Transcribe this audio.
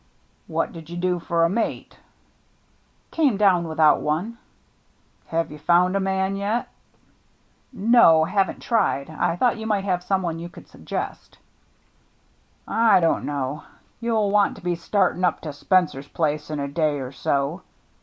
"What did you do for a mate?" " Came down without one." 56 THE MERRT ANNE " Have you found a man yet ?'*" No — haven't tried. I thought you might have some one you could suggest." " I don't know. You'll want to be start ing up to Spencer's place in a day or so."